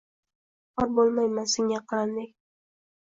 Xor bulmayman singan qalamdek